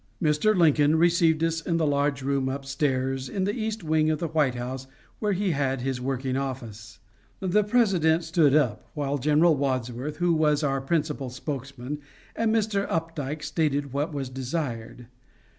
Mr. Lincoln received us in the large room upstairs in the east wing of the White House, where he had his working office. The President stood up while General Wadsworth, who was our principal spokesman, and Mr. Opdyke stated what was desired.